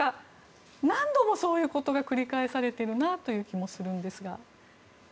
何度もそういうことが繰り返されているなという気がするんですが。